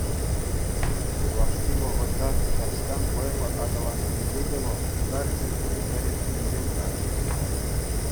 Юлашки вӑхӑтра Тутарстан вӑйлӑ аталаннинче те вӑл тутар чӗлхине вӗрентнинче курать.